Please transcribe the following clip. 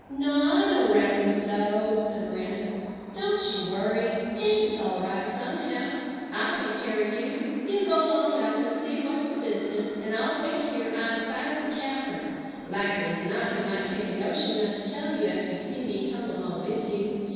"Naw, I don't reckon so!" said Miranda. "Don't you worry. David's all right somehow. I'll take care o' you. You go 'long up and see what's the business, an' I'll wait here out o' sight o' the tavern. Likely's not he might take a notion not to tell you ef he see me come along with you.